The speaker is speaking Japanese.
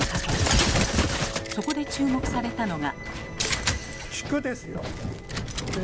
そこで注目されたのが。